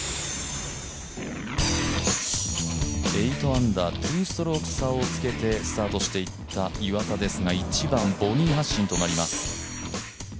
８アンダー、２ストローク差をつけてスタートしていった岩田ですが１番、ボギー発進となります。